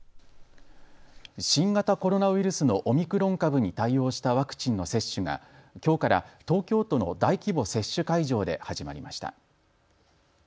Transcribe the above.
新型コロナウイルスのオミクロン株に対応したワクチンの接種がきょうから東京都の大規模接種会場で始まりました。